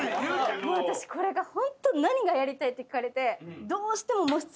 もう私これがホント何がやりたい？って聞かれて。